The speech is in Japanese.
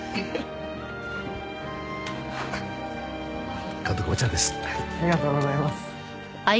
ありがとうございます。